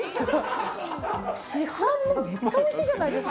市販のめっちゃおいしいじゃないですか。